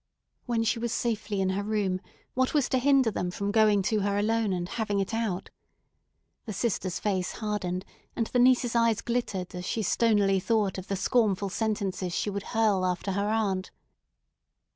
When she was safely in her room, what was to hinder them from going to her alone and having it out? The sister's face hardened, and the niece's eyes glittered as she stonily thought of the scornful sentences she would hurl after her aunt.